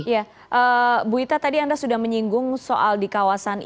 ibu itta tadi anda sudah menyinggung soal di kawasan ini